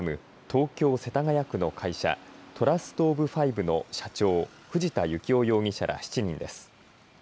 東京世田谷区の会社、トラストオブファイブの社長藤田幸夫容疑者７人です。